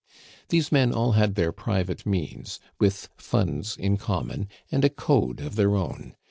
These men all had their private means, with funds in common, and a code of their own.